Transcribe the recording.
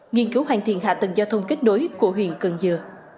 nghiên cứu hoàn thiện hạ tầng giao thông kết đối của huyện cần giờ